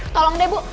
tolong deh bu